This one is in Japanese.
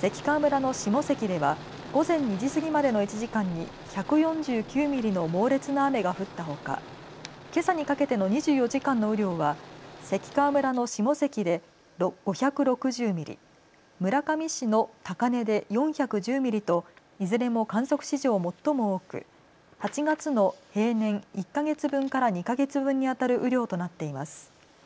関川村の下関では午前２時過ぎまでの１時間に１４９ミリの猛烈な雨が降ったほかけさにかけての２４時間の雨量は関川村の下関で５６０ミリ、村上市の高根で４１０ミリといずれも観測史上最も多く８月の平年１か月分から２か月分にあたる雨量となっています。